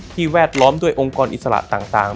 แวดล้อมด้วยองค์กรอิสระต่าง